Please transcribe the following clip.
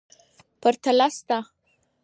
پرتله سته.